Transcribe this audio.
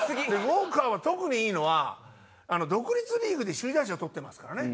ウォーカーは特にいいのは独立リーグで首位打者とってますからね。